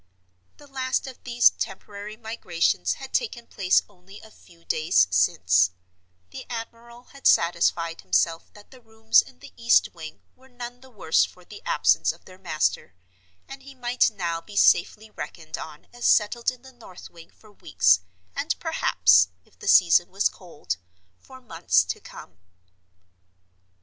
The last of these temporary migrations had taken place only a few days since; the admiral had satisfied himself that the rooms in the east wing were none the worse for the absence of their master, and he might now be safely reckoned on as settled in the north wing for weeks, and perhaps, if the season was cold, for months to come.